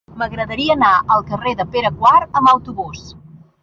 M'agradaria anar al carrer de Pere IV amb autobús.